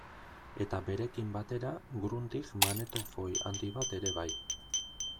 Eta berekin batera Grundig magnetofoi handi bat ere bai.